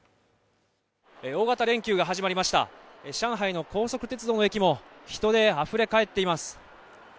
大型連休が始まりました上海の高速鉄道の駅も人であふれかえっています